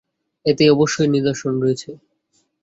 এতে অবশ্যই নিদর্শন রয়েছে।